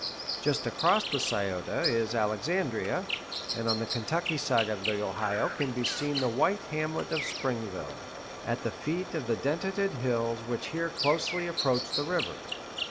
Just across the Scioto is Alexandria, and on the Kentucky side of the Ohio can be seen the white hamlet of Springville, at the feet of the dentated hills which here closely approach the river.